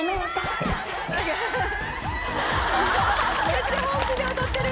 めっちゃ本気で踊ってる！